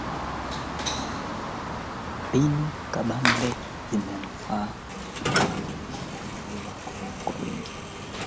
kutoa pasi murua za magoli pamoja na kufunga